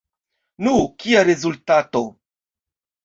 Nu, kia rezultato?